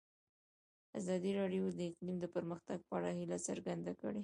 ازادي راډیو د اقلیم د پرمختګ په اړه هیله څرګنده کړې.